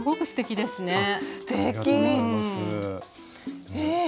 すてきですね。